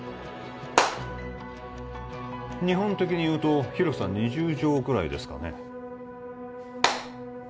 日本的にいうと広さ２０畳ぐらいですかね？